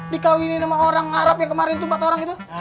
dikawinin sama orang arab yang kemarin itu empat orang gitu